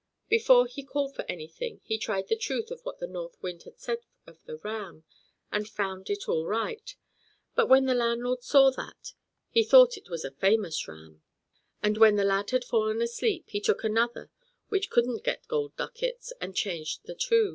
Before he called for anything, he tried the truth of what the North Wind had said of the ram, and found it all right; but when the landlord saw that, he thought it was a famous ram, and, when the lad had fallen asleep, he took another which couldn't coin gold ducats, and changed the two.